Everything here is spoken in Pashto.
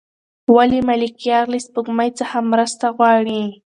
ولې ملکیار له سپوږمۍ څخه مرسته غواړي؟